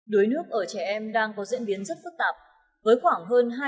đuối nước ở trẻ em đang có diễn biến rất phức tạp